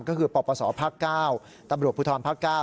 ก็คือปรบประสอบภาคเก้าตำรวจผู้ทรวมภาคเก้า